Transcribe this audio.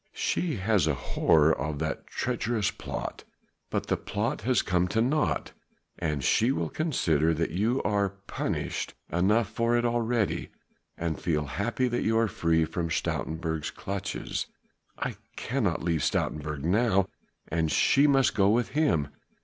"She has a horror of that treacherous plot. But the plot has come to naught; and she will consider that you are punished enough for it already, and feel happy that you are free from Stoutenburg's clutches." "I cannot leave Stoutenburg now, and she must go with him.